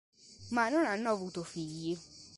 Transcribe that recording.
Ma non hanno avuto figli..